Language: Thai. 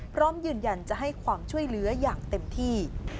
พร้อมยืนยันจะให้ความช่วยเหลืออย่างเต็มที่